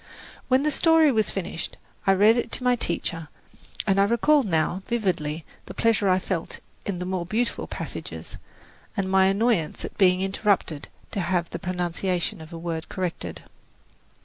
When the story was finished, I read it to my teacher, and I recall now vividly the pleasure I felt in the more beautiful passages, and my annoyance at being interrupted to have the pronunciation of a word corrected.